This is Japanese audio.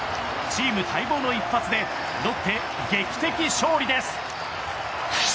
チーム待望の一発でロッテ、劇的勝利です！